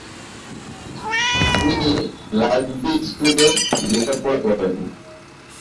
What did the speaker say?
তিনি রাগবি স্কুলে লেখাপড়া করেন।